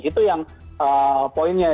itu yang poinnya